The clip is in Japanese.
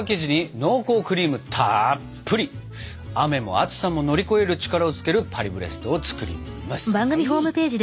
雨も暑さも乗り越える力をつけるパリブレストを作ります！